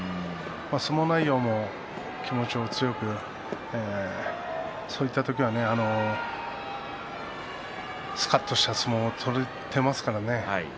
相撲内容も気持ちも強くそういった時はすかっとした相撲を取れていますからね。